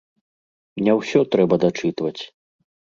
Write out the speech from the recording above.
Не ўсё трэба дачытваць.